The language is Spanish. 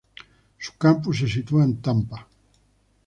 Su campus se sitúa en Tampa.